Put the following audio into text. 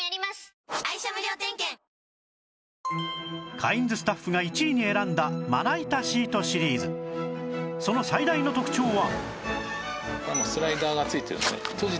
カインズスタッフが１位に選んだまな板シートシリーズその最大の特長は